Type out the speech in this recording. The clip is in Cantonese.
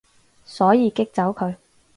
所以激走佢